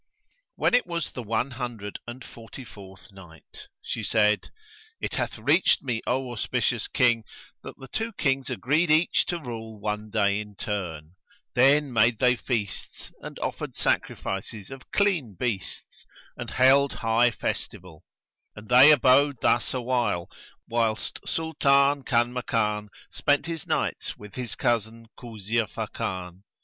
When it was the One Hundred and Forty fourth Night, She said, It hath reached me, O auspicious King, that the two Kings agreed each to rule one day in turn: then made they feasts and offered sacrifices of clean beasts and held high festival; and they abode thus awhile, whilst Sultan Kanmakan spent his nights with his cousin Kuzia Fakan.